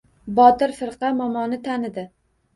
Botir firqa momoni tanidi.